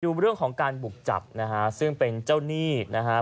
ดูเรื่องของการบุกจับนะฮะซึ่งเป็นเจ้าหนี้นะฮะ